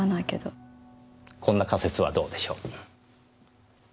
こんな仮説はどうでしょう？